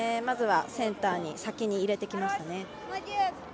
まずはセンターに先に入れてきましたね。